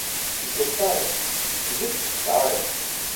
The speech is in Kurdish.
Îşev sar e, cilik sitar e.